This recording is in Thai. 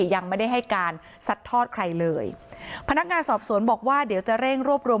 ยังไม่ได้ให้การสัดทอดใครเลยพนักงานสอบสวนบอกว่าเดี๋ยวจะเร่งรวบรวม